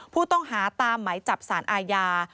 ผู้ต้องหาตามไหมจับสารอาญา